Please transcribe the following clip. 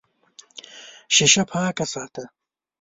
شیشه پاکه ساته.